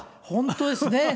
本当ですね。